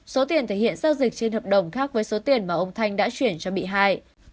số tiền thể hiện giao dịch trên hợp đồng khác với số tiền mà ông thanh đã chuyển cho bị hại